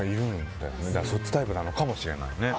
そっちタイプなのかもしれないね。